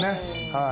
はい。